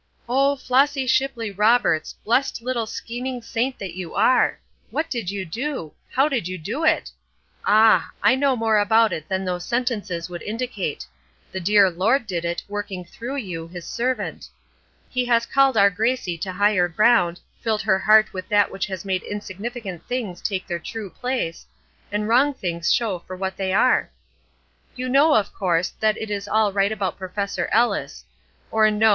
Oh, Flossy Shipley Roberts! blessed little scheming saint that you are! What did you do? How did you do it! Ah! I know more about it than those sentences would indicate. The dear Lord did it, working through you, His servant. He has called our Gracie to higher ground, filled her heart with that which has made insignificant things take their true place, and wrong things show for what they are. You know, of course, that it is all right about Professor Ellis; or no!